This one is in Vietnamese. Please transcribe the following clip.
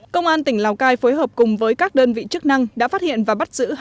công an tỉnh lào cai phối hợp cùng với các đơn vị chức năng đã phát hiện và bắt giữ